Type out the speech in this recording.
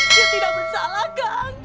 dia tidak bersalah kang